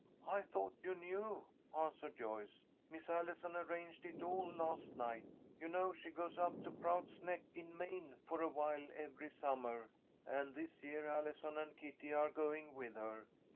"I thought you knew," answered Joyce. "Miss Allison arranged it all last night. You know she goes up to Prout's Neck, in Maine, for awhile every summer, and this year Allison and Kitty are going with her.